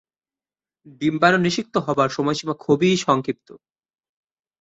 ডিম্বাণু নিষিক্ত হবার সময়সীমা খুবই সংক্ষিপ্ত।